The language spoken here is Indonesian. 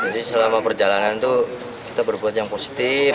jadi selama perjalanan itu kita berbuat yang positif